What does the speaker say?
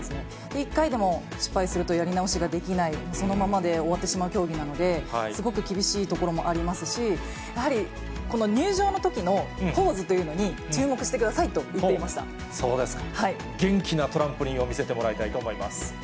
１回でも失敗するとやり直しができない、そのままで終わってしまう競技なので、すごく厳しいところもありますし、やはりこの入場のときのポーズというのに注目してくださいと言っそうですか。